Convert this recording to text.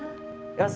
よし！